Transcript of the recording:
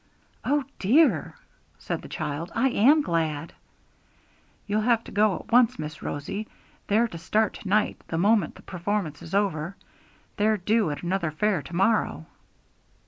'Oh dear!' said the child, 'I am glad.' 'You'll have to go at once, Miss Rosie; they're to start to night the moment the performance is over; they're due at another fair to morrow.'